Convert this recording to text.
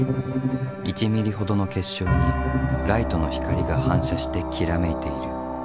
１ｍｍほどの結晶にライトの光が反射してきらめいている。